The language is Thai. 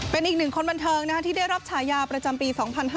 เป็นอีกหนึ่งคนบันเทิงที่ได้รับฉายาประจำปี๒๕๕๙